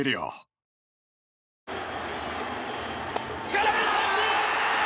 空振り三振。